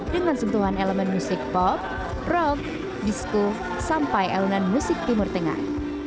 dengan sentuhan elemen musik pop rock disco sampai alunan musik timur tengah